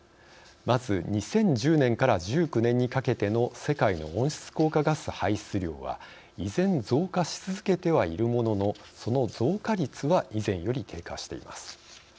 まず、２０１０年から２０１９年にかけての世界の温室効果ガス排出量は依然、増加し続けてはいるもののその増加率は以前より低下しています。